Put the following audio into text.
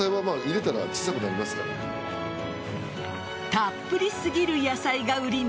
たっぷりすぎる野菜が売りの